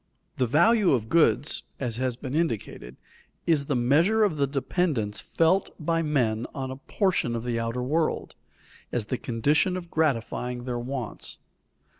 The value of goods, as has been indicated, is the measure of the dependence felt by men on a portion of the outer world, as the condition of gratifying their wants.